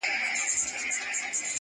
د رڼاگانو شيشمحل کي به دي ياده لرم